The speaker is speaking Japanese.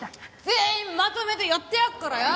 全員まとめてやってやっからよ！